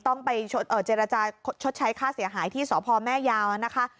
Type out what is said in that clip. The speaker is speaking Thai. ต้องไปเจรจาชดใช้ค่าเสียหายที่สพแม่ยาวนะคะ